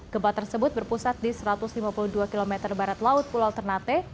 gempa tersebut berpusat di satu ratus lima puluh dua km barat laut pulau ternate